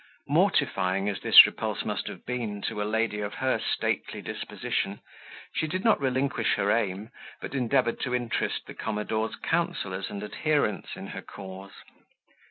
Mortifying as this repulse must have been to a lady of her stately disposition, she did not relinquish her aim, but endeavoured to interest the commodore's counsellors and adherents in her cause.